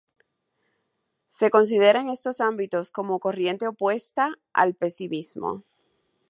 Se considera en estos ámbitos como corriente opuesta al pesimismo.